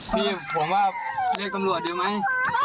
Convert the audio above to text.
พี่ผมว่าเรียกตำรวจดีไหม